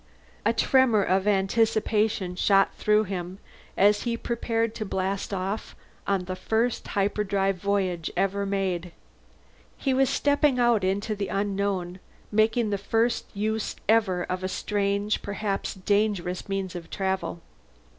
A tremor of anticipation shot through him as he prepared to blast off on the first hyperdrive voyage ever made. He was stepping out into the unknown, making the first use ever of a strange, perhaps dangerous means of travel.